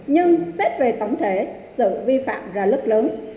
nhưng xét về tổng thể sự vi phạm là rất lớn